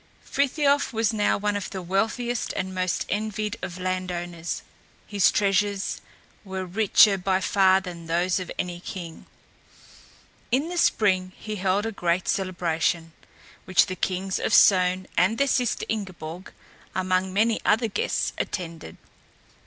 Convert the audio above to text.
Frithiof was now one of the wealthiest and most envied of land owners. His treasures were richer by far than those of any king. In the spring he held a great celebration, which the kings of Sogn and their sister Ingeborg, among many other guests, attended.